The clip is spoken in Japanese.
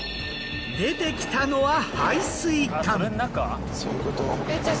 出てきたのは排水管。